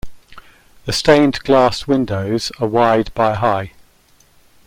The stained glass windows are wide by high.